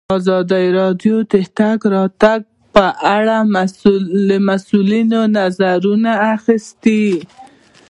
ازادي راډیو د د تګ راتګ ازادي په اړه د مسؤلینو نظرونه اخیستي.